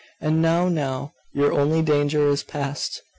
And now, now! Your only danger is past!